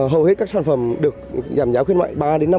hầu hết các sản phẩm được giảm giá khuyến mại ba năm